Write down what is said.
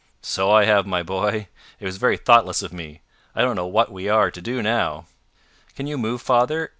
"So I have, my boy. It was very thoughtless of me. I don't know what we are to do now." "Can you move, father?